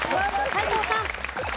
斎藤さん。